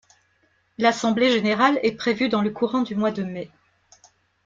L'assemblée générale est prévue dans le courant du mois de mai.